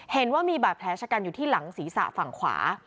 เห็นว่ามีบาดแผลชะกันอยู่ที่หลังศีรษะฝั่งขวา